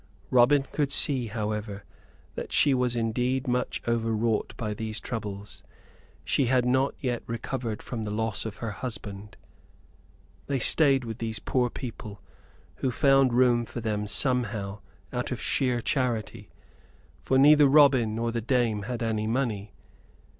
Robin could see, however, that she was indeed much overwrought by these troubles. She had not yet recovered from the loss of her husband. They stayed with these poor people, who found room for them somehow, out of sheer charity, for neither Robin nor the dame had any money.